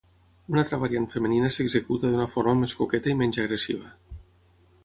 Una altra variant femenina s'executa d'una forma més coqueta i menys agressiva.